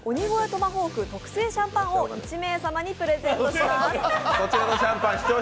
トマホーク特製シャンパンを１名様にプレゼントします。